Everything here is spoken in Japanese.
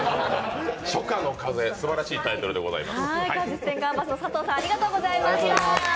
初夏の風、すばらしいタイトルでございます。